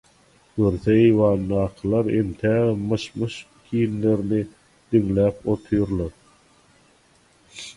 Görse eýwandakylar entägem "myş-myş"hinlerini diňläp otyrlar.